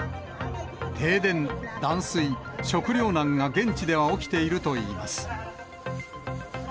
停電、断水、食糧難が現地では起きているといいます。